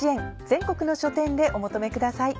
全国の書店でお求めください。